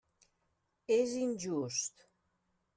És injust.